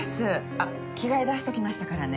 あっ着替え出しておきましたからね。